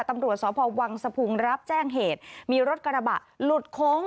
ตรวจสอบภวังสภูมิรับแจ้งเหตุมีรถกระบะหลุดโค้ง